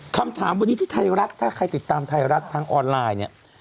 คำถามวันนี้ที่ไทยรัฐถ้าใครติดตามไทยรัฐทางออนไลน์เนี่ย